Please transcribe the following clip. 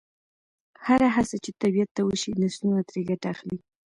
هره هڅه چې طبیعت ته وشي، نسلونه ترې ګټه اخلي.